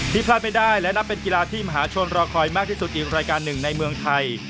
พลาดไม่ได้และนับเป็นกีฬาที่มหาชนรอคอยมากที่สุดอีกรายการหนึ่งในเมืองไทย